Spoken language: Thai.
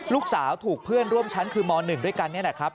ลูกสาวถูกเพื่อนร่วมชั้นคือม๑ด้วยกันนี่แหละครับ